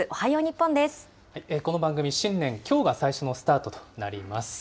この番組、新年、きょうが最初のスタートとなります。